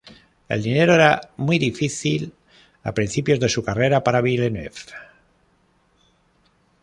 El dinero era muy difícil a principios de su carrera para Villeneuve.